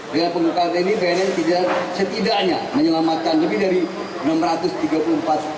dengan pengungkapan tni bnn tidak setidaknya menyelamatkan lebih dari enam ratus tiga puluh empat